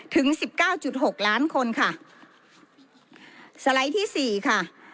ถึงสิบเก้าจุดหกล้านคนค่ะสไลด์ที่สี่ค่ะ